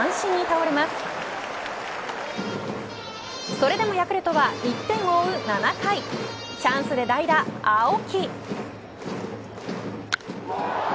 それでもヤクルトは１点を追う７回チャンスで代打、青木。